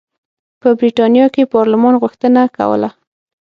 په برېټانیا کې پارلمان غوښتنه کوله.